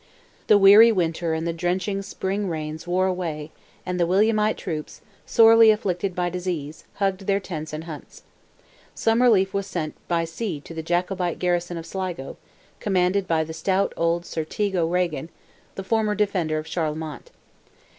The weary winter and the drenching spring months wore away, and the Williamite troops, sorely afflicted by disease, hugged their tents and huts. Some relief was sent by sea to the Jacobite garrison of Sligo, commanded by the stout old Sir Teague O'Regan, the former defender of Charlemont.